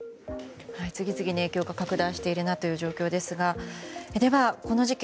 次々に影響が拡大しているなという状況ですがでは、この事件